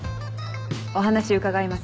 お話伺います。